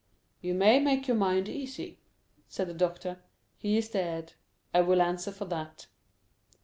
"You may make your mind easy," said the doctor; "he is dead. I will answer for that."